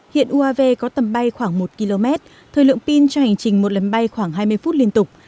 hiện uav có tầm bay khoảng một km thời lượng pin cho hành trình một lần bay khoảng hai mươi phút liên tục